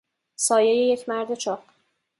سایهی یک مرد چاق